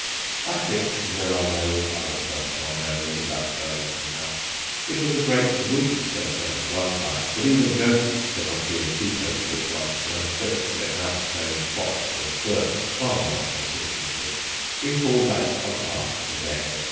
I think there are no other personal memories about Burlington House. It was a great Whig centre at one time, but even ghosts cannot be in two places at once, and Devonshire House claims Fox and Burke far more insistently. We fall back on art again.